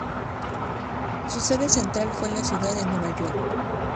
Su sede central fue en la Ciudad de Nueva York.